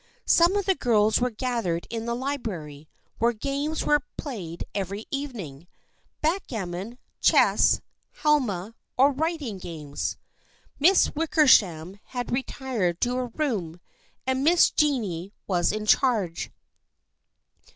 Some of the girls were gathered in the library, where games were played every evening, backgammon, chess, halma, or writing games. Miss Wickersham had retired to her room, and Miss Jennie was in charge.